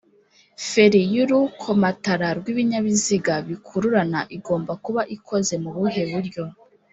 feri yurukomatara rwibinyabiziga bikururana igomba kuba ikoze mubuhe buryo